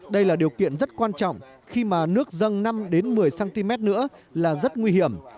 đây là điều kiện rất quan trọng khi mà nước dâng năm một mươi cm nữa là rất nguy hiểm